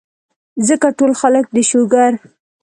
ځکه ټول خلک د شوګر ،